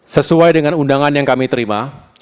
sesuai dengan undangan yang kami terima